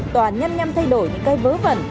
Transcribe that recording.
toàn nhăm nhăm thay đổi những cây vớ vẩn